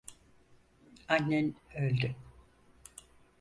Annen öldü.